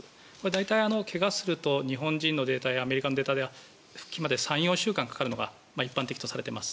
大体、怪我をすると日本人のデータやアメリカのデータでは復帰まで３４週間かかるのが一般的とされています。